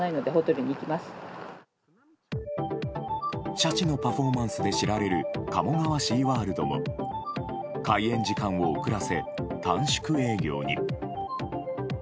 シャチのパフォーマンスで知られる、鴨川シーワールドも開園時間を遅らせ、短縮営業に。